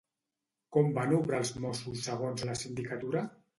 Com van obrar els mossos segons la sindicatura?